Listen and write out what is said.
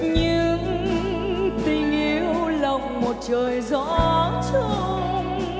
những tình yêu lòng một trời gió trông